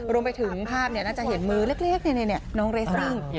รวมไปถึงภาพเนี่ยน่าจะเห็นมือเล็กเนี่ยเนี่ยน้องเรสซิ่ง